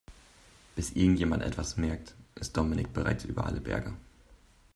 Bis irgendjemand etwas merkt, ist Dominik bereits über alle Berge.